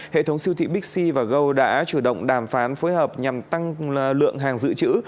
hệ thống siêu thị bixi và go đã chủ động đàm phán phối hợp nhằm tăng lượng hàng dự trữ